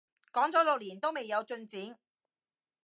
講咗六年都未有進展